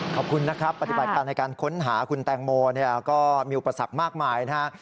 ขอบคุณนะครับปฏิบัติการในการค้นหาคุณแตงโมก็มีอุปสรรคมากมายนะฮะ